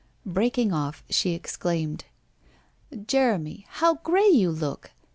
' Breaking off, she exclaimed. ' Jeremy, how grey you look !